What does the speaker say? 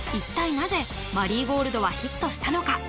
なぜ「マリーゴールド」はヒットしたのか？